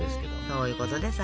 そういうことでさ。